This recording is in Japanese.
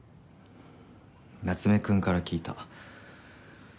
夏目くんから聞いた。